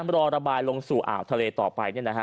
รอระบายลงสู่อ่าวทะเลต่อไป